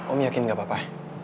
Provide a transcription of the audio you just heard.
om yakin nggak apa apa